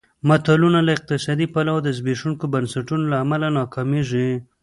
ملتونه له اقتصادي پلوه د زبېښونکو بنسټونو له امله ناکامېږي.